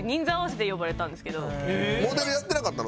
モデルやってなかったの？